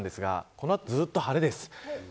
この後ずっと晴れです。